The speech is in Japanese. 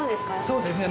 そうですね。